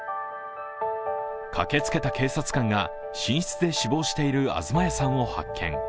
駆けつけた警察官が寝室で死亡している東谷さんを発見。